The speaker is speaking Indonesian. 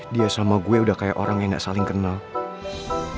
dia sama gue udah kayak orang yang gak saling kenal